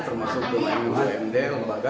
termasuk ke mua md lembaga